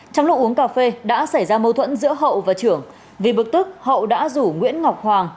trong lúc uống cà phê đã xảy ra mâu thuẫn giữa hậu và trưởng vì bực tức hậu đã rủ nguyễn ngọc hoàng